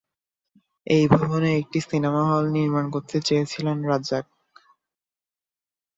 এই ভবনে একটি সিনেমা হল নির্মাণ করতে চেয়েছিলেন রাজ্জাক।